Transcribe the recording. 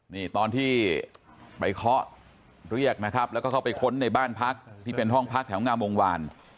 นี่ตอนที่ไปเคาะเรียกนะครับแล้วก็เข้าไปค้นในบ้านพักที่เป็นห้องพักแถวงามวงวาน